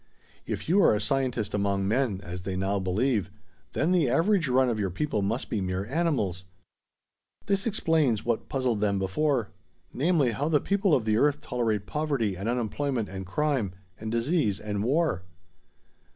If you are a scientist among men, as they now believe, then the average run of your people must be mere animals. This explains what has puzzled them before; namely, how the people of the earth tolerate poverty and unemployment and crime, and disease and war."